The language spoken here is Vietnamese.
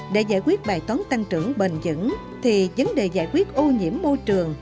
để giải quyết bài toán tăng trưởng bền dẫn thì vấn đề giải quyết ô nhiễm môi trường